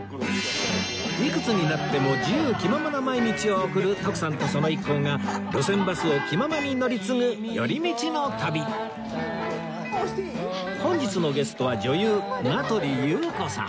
いくつになっても自由気ままな毎日を送る徳さんとその一行が路線バスを気ままに乗り継ぐ寄り道の旅本日のゲストは女優名取裕子さん